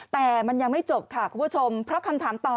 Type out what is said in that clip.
แต่มันยังไม่จบค่ะคุณผู้ชมเพราะคำถามต่อ